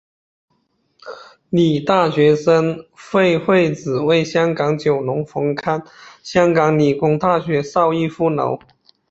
理大学生会会址为香港九龙红磡香港理工大学邵逸夫楼。